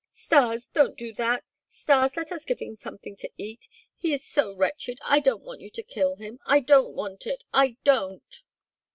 "Stas! Don't do that! Stas, let us give him something to eat! He is so wretched! I don't want you to kill him! I don't want it! I don't!"